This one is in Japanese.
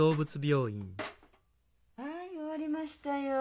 はい終わりましたよ。